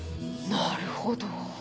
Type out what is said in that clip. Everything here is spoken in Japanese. なるほど！